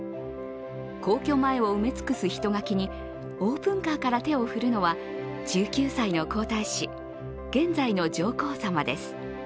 皇居前を埋め尽くす人垣にオープンカーから手を振るのは１９歳の皇太子、現在の上皇さまです